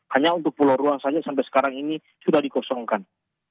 hanya untuk pulau ruang saja sampai sekarang ini sudah dikosongkan